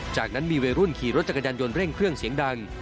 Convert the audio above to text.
จากนั้นมีวัยรุ่นขี่รถจักรยานยนต์เร่งเครื่องเสียงดัง